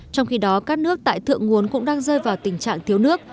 trong khi đó các nước tại thượng nguồn cũng đang rơi vào tình trạng thiếu nước